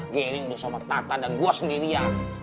giling sama tata dan gue sendirian